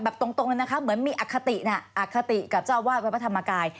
แบบตรงนะคะเหมือนมีอัคติกับเจ้าอาวาสวัสดิ์พระพัทมกาย